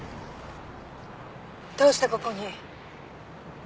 どうしてここに？